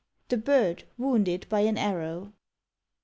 THE BIRD WOUNDED BY AN ARROW.